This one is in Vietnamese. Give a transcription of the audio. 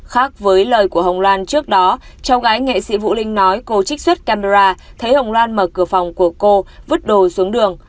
khác với lời của hồng loan trước đó cháu gái nghệ sĩ vũ linh nói cô trích xuất camera thấy hồng loan mở cửa phòng của cô vứt đồ xuống đường